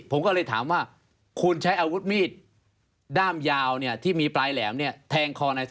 ผมก็เลยถามว่าคุณใช้อาวุธมีด